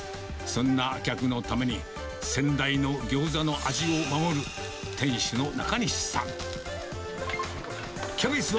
そんな客のために、先代のギョーザの味を守る店主の中西さん。